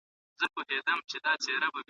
ځیني عوامل ټولنې له منځه وړي.